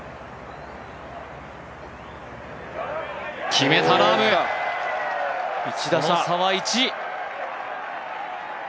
決めた、ラーム、その差は１！